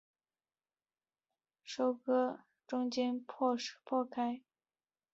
而收割后的咸水草需要即时从中间破开。